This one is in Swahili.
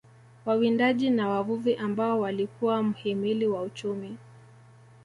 Wawindaji na wavuvi ambao walikuwa mhimili wa uchumi